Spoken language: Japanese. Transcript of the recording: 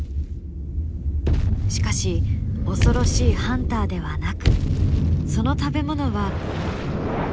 しかし恐ろしいハンターではなくその食べ物は。